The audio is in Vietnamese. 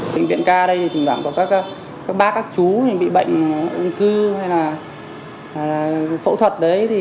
bệnh viện ca đây thì tỉnh bảo có các bác các chú bị bệnh ung thư hay là phẫu thuật đấy